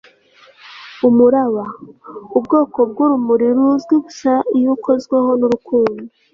umuraba. ubwoko bwurumuri ruzwi gusa iyo ukozweho nurukundo